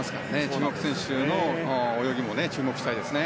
中国選手の泳ぎも注目したいですね。